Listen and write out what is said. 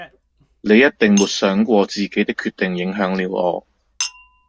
你一定沒想過自己的決定影響了我